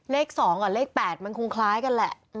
เลข๒กับเลข๘มันคงคล้ายกันแหละ